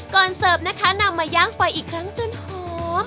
เสิร์ฟนะคะนำมาย่างไฟอีกครั้งจนหอม